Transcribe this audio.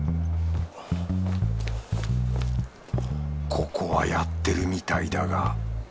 ここはやってるみたいだが。